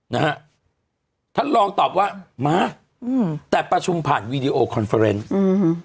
นะฮะท่านรองตอบว่ามาอืมแต่ประชุมผ่านวีดีโอคอนเฟอร์เนสอืม